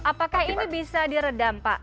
apakah ini bisa diredam pak